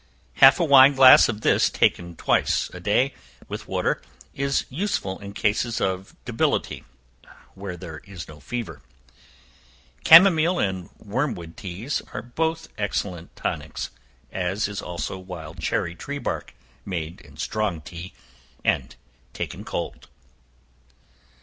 Half a wine glass of this taken, twice a day, with water, is useful in cases of debility, where there is no fever. Chamomile, and wormwood teas, are both excellent tonics, as is also wild cherry tree bark, made in strong tea, and taken cold.